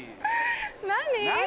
何？